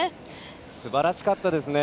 すばらしかったですね。